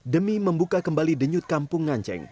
demi membuka kembali denyut kampung nganceng